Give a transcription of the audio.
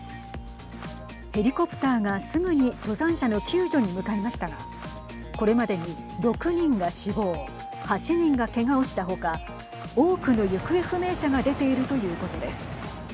ヘリコプターが、すぐに登山者の救助に向かいましたがこれまでに６人が死亡８人がけがをしたほか多くの行方不明者が出ているということです。